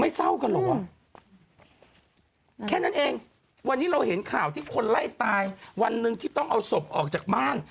เศร้ากันเหรอแค่นั้นเองวันนี้เราเห็นข่าวที่คนไล่ตายวันหนึ่งที่ต้องเอาศพออกจากบ้าน